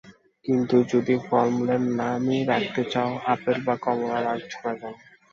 কিন্তু যদি ফলমূলের নাম-ই রাখতে চাও, আপেল বা কমলা রাখছো না কেন?